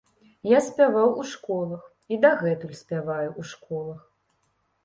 Я спяваў у школах і дагэтуль спяваю ў школах.